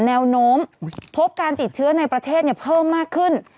แนวโน้มพบการติดเชื้อในประเทศเพิ่มมากขึ้น